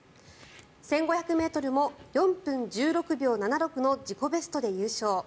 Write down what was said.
１５００ｍも４分１６秒７６の自己ベストで優勝。